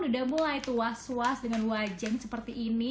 udah mulai tuas tuas dengan wajahnya seperti ini